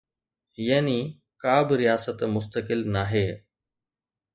يعني ڪا به رياست مستقل ناهي.